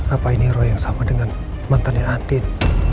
apa ini roy yang sama dengan mantannya andin